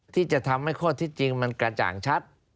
ที่จะทำให้ข้อที่จริงมันกระจ่างชัด